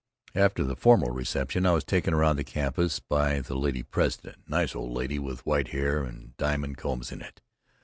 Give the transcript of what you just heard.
After the formal reception I was taken around the campus by the Lady President, nice old lady with white hair and diamond combs in it.